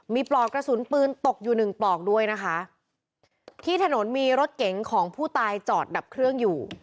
มีปลอกกระสุนปืนตกอยู่หนึ่งปลอกด้วยนะคะที่ถนนมีรถเก๋งของผู้ตายจอดดับเครื่องอยู่